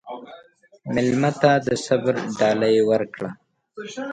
مېلمه ته د صبر ډالۍ ورکړه.